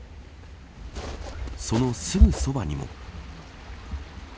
そのすぐそばにも。